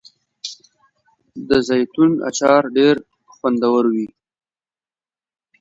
د زیتون اچار ډیر خوندور وي.